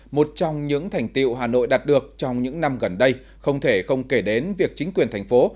một trong những thành tiệu hà nội đạt được trong những năm gần đây không thể không kể đến việc chính quyền thành phố